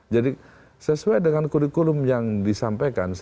jadi sesuai dengan kurikulum yang disampaikan